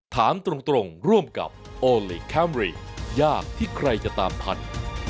ถามตรงร่วมกับโอลี่คัมรี่ยากที่ใครจะตามพันธุ์